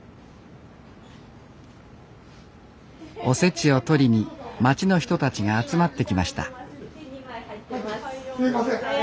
おせちを取りに町の人たちが集まってきましたすみません。